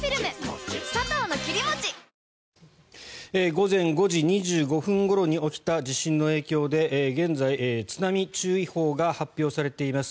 午前５時２５分ごろに起きた地震の影響で現在、津波注意報が発表されています。